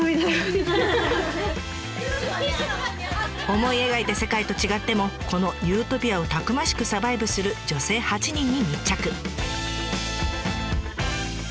思い描いた世界と違ってもこのユートピアをたくましくサバイブする女性８人に密着。